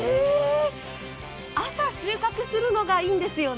朝、収穫するのがいいんですよね？